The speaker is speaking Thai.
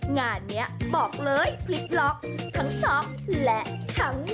งานนี้บอกเลยพลิกล็อกทั้งช็อกและทั้ง